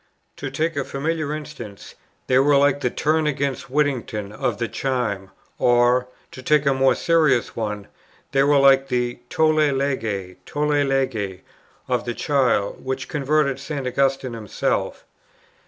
To take a familiar instance, they were like the "Turn again Whittington" of the chime; or, to take a more serious one, they were like the "Tolle, lege, Tolle, lege," of the child, which converted St. Augustine himself.